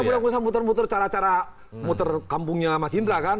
gue tak usah muter muter cara cara muter kampungnya mas indra kan